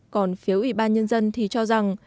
còn phiếu ủy ban nhân dân thì cho rằng